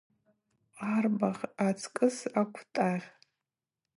Арбагъь ацкӏыс аквтӏагъь.